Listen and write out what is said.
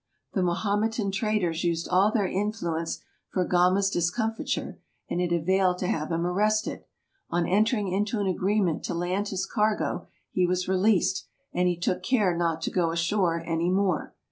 The Mahometan traders used all their influence for Gama's dis comfiture, and it availed to have him arrested. On entering into an agreement to land his cargo he was released, and he took care not to go ashore any more.